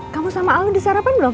kamu sama allah disarapan belum